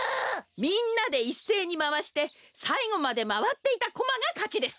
みんなでいっせいにまわしてさいごまでまわっていたコマがかちです。